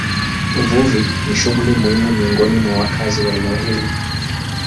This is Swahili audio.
Uvuvi ni shughuli muhimu miongoni mwa wakazi wa eneo hili.